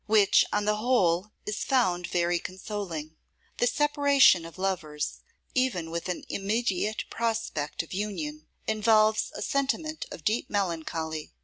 Which on the Whole Is Found Very Consoling. THE separation of lovers, even with an immediate prospect of union, involves a sentiment of deep melancholy.